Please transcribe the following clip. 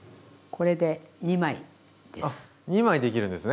これで２枚です。